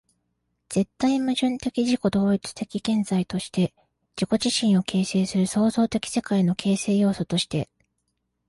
絶対矛盾的自己同一的現在として、自己自身を形成する創造的世界の形成要素として、